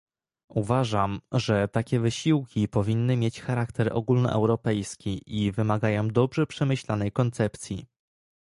Uważam, że takie wysiłki powinny mieć charakter ogólnoeuropejski i wymagają dobrze przemyślanej koncepcji